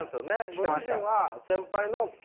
ご自身は先輩の好きな。